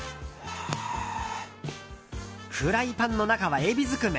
フライパンの中はエビずくめ。